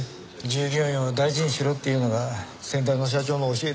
従業員を大事にしろっていうのが先代の社長の教えでしたから。